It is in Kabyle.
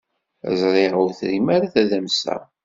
Ẓriɣ ur trim ara tadamsa.